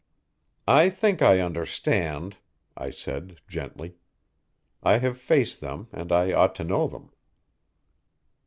"I think I understand," I said gently. "I have faced them and I ought to know them."